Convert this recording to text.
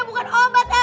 bukan obat ya